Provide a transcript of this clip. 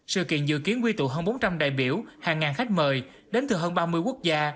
sự kiện dự kiến quy tụ hơn bốn trăm linh đại biểu hàng ngàn khách mời đến từ hơn ba mươi quốc gia